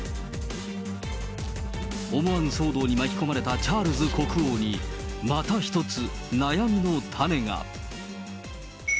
思わぬ騒動に巻き込まれたチャールズ国王にまた一つ、悩みの種が。